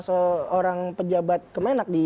seorang pejabat kemenak di